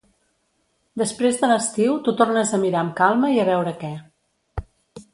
Després de l'estiu t'ho tornes a mirar amb calma i a veure què.